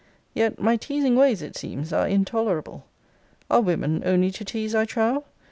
Yet 'my teasing ways,' it seems, 'are intolerable.' Are women only to tease, I trow?